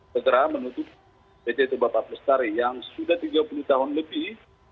segera menutup bg toba pak pestari yang sudah tiga puluh tahun lebih